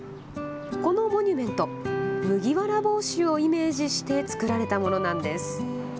このモニュメント、麦わら帽子をイメージして作られたものなんです。